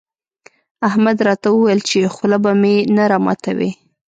احمد راته وويل چې خوله به مې نه راماتوې.